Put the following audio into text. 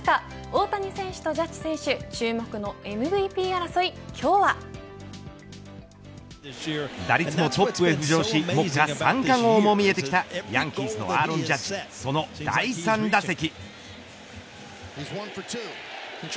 大谷選手とジャッジ選手注目のＭＶＰ争い打率もトップへ浮上し目下三冠王も見えてきたヤンキースのアーロン・ジャッジその第３打席。